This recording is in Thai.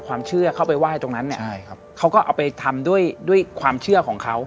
เข้าไปไหว้ตรงนั้นเนี่ยใช่ครับเขาก็เอาไปทำด้วยด้วยความเชื่อของเขา